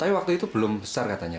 tapi waktu itu belum besar katanya